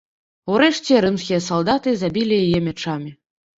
Урэшце, рымскія салдаты забілі яе мячамі.